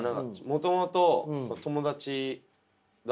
もともと友達。